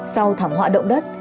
sau thảm họa động đất